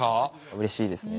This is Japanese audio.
うれしいですね。